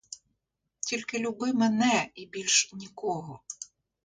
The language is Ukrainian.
Тільки люби мене і більш нікого.